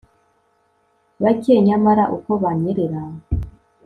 bake! nyamara uko banyerera